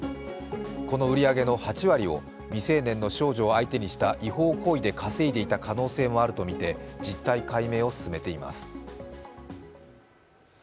この売り上げの８割を未成年の少女を相手にした違法行為で稼いでいた可能性もあるとみて実態解明を進めています。